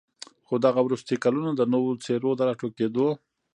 خو دغه وروستي كلونه د نوو څېرو د راټوكېدو